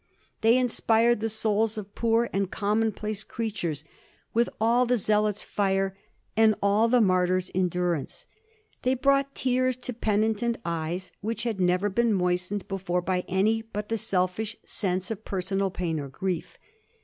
They inspired the souls of poor and commonplace creatures with all the zealot's fire and all the martyr's endurance. They brought tears to penitent eyes which had never been moistened before by any but the selfish sense of personal pain or grief.